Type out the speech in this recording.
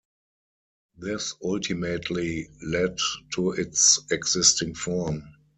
This ultimately led to its existing form.